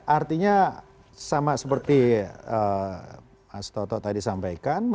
artinya sama seperti mas toto tadi sampaikan